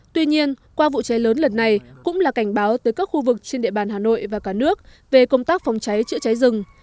tuy nhiên qua vụ cháy lớn lần này cũng là cảnh báo tới các khu vực trên địa bàn hà nội và cả nước về công tác phòng cháy chữa cháy rừng